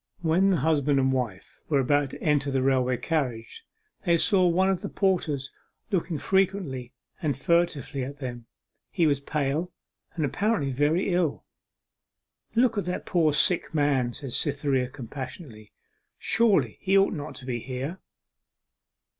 When the husband and wife were about to enter the railway carriage they saw one of the porters looking frequently and furtively at them. He was pale, and apparently very ill. 'Look at that poor sick man,' said Cytherea compassionately, 'surely he ought not to be here.